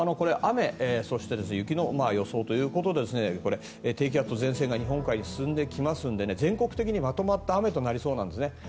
雨、そして雪の予想ということで低気圧と前線が日本海に進んできますので全国的にまとまった雨になりそうなんですね。